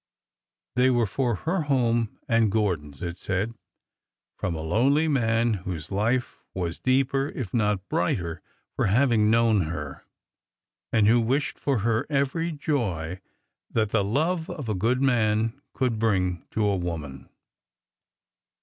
" They were for her home and Gordon's," it said, " from a lonely man whose life was deeper if not brighter for having known her, and who wished for her every joy that the love of a good man could bring to a woman."